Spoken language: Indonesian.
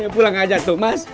pulang aja tuh mas